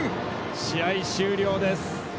試合終了です。